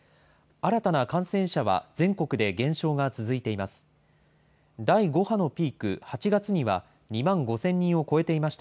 新たな感染者は全国で減少が続いています。